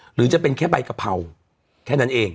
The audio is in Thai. หรือจะเป็นแค่ใบกะเพราแค่นั้นเอง